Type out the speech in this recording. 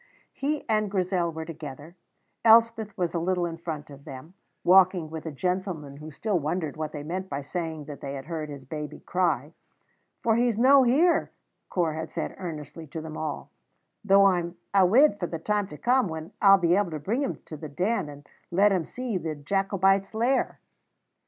He and Grizel were together. Elspeth was a little in front of them, walking with a gentleman who still wondered what they meant by saying that they had heard his baby cry. "For he's no here," Corp had said earnestly to them all; "though I'm awid for the time to come when I'll be able to bring him to the Den and let him see the Jacobites' Lair."